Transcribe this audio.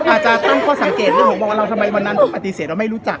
อาจจะตั้งข้อสังเกตเรื่องของบอกว่าเราทำไมวันนั้นต้องปฏิเสธว่าไม่รู้จัก